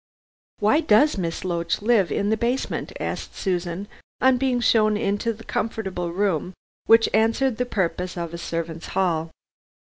"Why does Miss Loach live in the basement?" asked Susan, on being shown into a comfortable room which answered the purpose of a servants' hall.